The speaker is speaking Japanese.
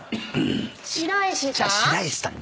白石さん？